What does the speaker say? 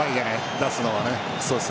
出すのは。